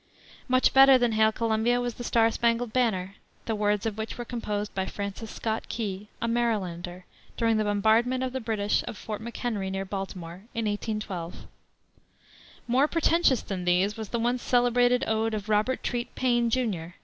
Much better than Hail Columbia was the Star Spangled Banner, the words of which were composed by Francis Scott Key, a Marylander, during the bombardment by the British of Fort McHenry, near Baltimore, in 1812. More pretentious than these was the once celebrated ode of Robert Treat Paine, Jr.